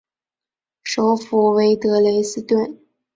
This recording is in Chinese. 首府为德累斯顿。